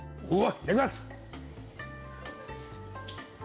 いただきます。